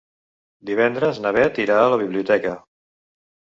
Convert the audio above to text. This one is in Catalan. Divendres na Bet irà a la biblioteca.